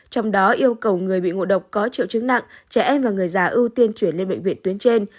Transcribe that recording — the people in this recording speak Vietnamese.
trong đó yêu cầu người bị ngộ độc có triệu chứng nặng trẻ em và người già ưu tiên chuyển lên bệnh viện tuyến trên